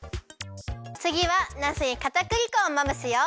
つぎはなすにかたくり粉をまぶすよ。